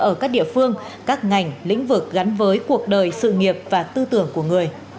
ở các địa phương các ngành lĩnh vực gắn với cuộc đời sự nghiệp và tư tưởng của người